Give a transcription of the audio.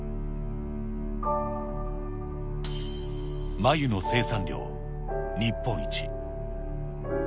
繭の生産量日本一。